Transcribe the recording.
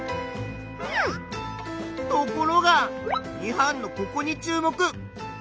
ところが２班のここに注目！